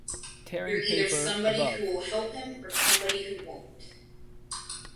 You’re either somebody who will help him or somebody who won’t.